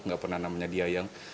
nggak pernah namanya dia yang